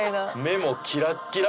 目もキラッキラ！